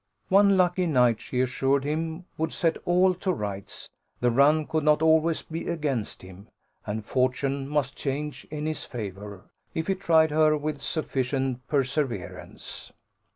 One lucky night, she assured him, would set all to rights; the run could not always be against him, and fortune must change in his favour, if he tried her with sufficient perseverance.